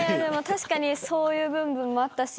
確かにそういう部分もあったし。